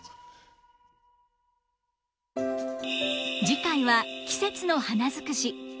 次回は季節の花尽くし。